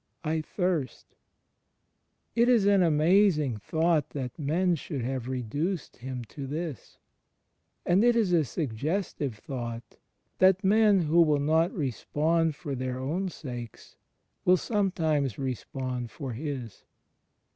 / thirstJ' It is an amazing thought that men should have reduced Him to this; and it is a suggestive thought that men who will not respond for their own sakes, will, some times, respond for His.